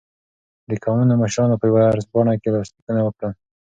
د قومونو مشرانو په یوه عرض پاڼه کې لاسلیکونه وکړل.